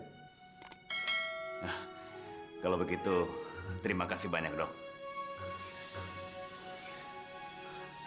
nah kalau begitu terima kasih banyak dok